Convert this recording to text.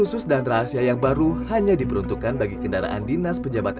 khusus dan rahasia yang baru hanya diperuntukkan bagi kendaraan dinas pejabat